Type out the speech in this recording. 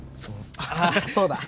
ああそうだ！